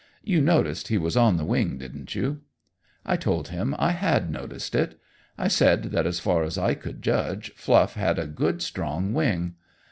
You noticed he was on the wing, didn't you?" I told him I had noticed it. I said that as far as I could judge, Fluff had a good strong wing.